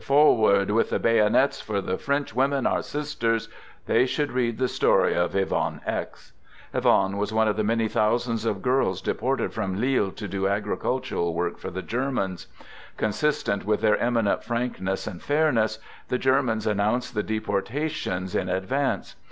forward! with the bayo net, for the French women, our sisters !" they should read the story of Yvonne X . Yvonne was one of the many thousands of girls deported from Lille to do agricultural work for the Germans. Consistent with their eminent frankness and fairness, the Germans announced the deporta tions in advance.